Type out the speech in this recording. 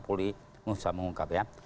polri mengusahamu mengungkap ya